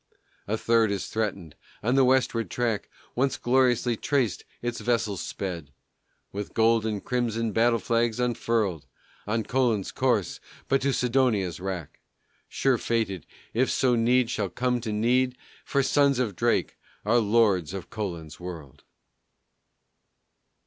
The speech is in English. A third is threatened. On the westward track, Once gloriously traced, its vessels speed, With gold and crimson battle flags unfurled. On Colon's course, but to Sidonia's wrack, Sure fated, if so need shall come to need, For Sons of Drake are lords of Colon's world.